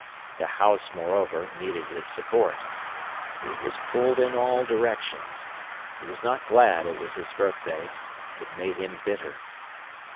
The house, moreover, needed his support. He was pulled in all directions. He was not glad it was his birthday. It made him bitter.